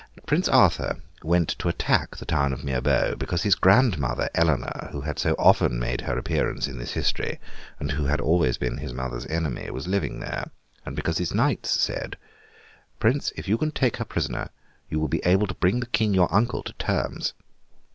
Prince Arthur went to attack the town of Mirebeau, because his grandmother Eleanor, who has so often made her appearance in this history (and who had always been his mother's enemy), was living there, and because his Knights said, 'Prince, if you can take her prisoner, you will be able to bring the King your uncle to terms!